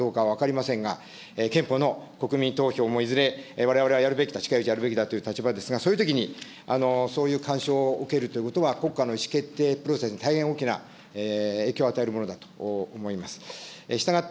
ことしは総選挙があるのかどうかは分かりませんが、憲法の国民投票もいずれ、われわれはやるべきと、近いうちやるべきだという立場ですが、そういうときに、そういう干渉を受けるということは、国家の意思決定プロセスに大変大きな影響を与えるものだと思います。